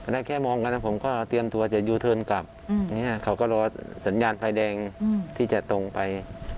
ได้แค่มองกันนะผมก็เตรียมตัวจะยูเทิร์นกลับเขาก็รอสัญญาณไฟแดงที่จะตรงไป